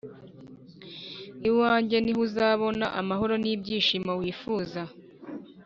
iwanjye niho uzabona amahoro n’ibyishimo wifuza.